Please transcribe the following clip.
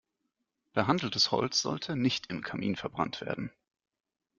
Behandeltes Holz sollte nicht im Kamin verbrannt werden.